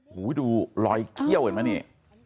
โห้ดูลอยขี้ยวเห็นไหมนี่